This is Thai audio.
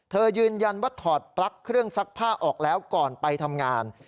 ยืนยันว่าถอดปลั๊กเครื่องซักผ้าออกแล้วก่อนไปทำงาน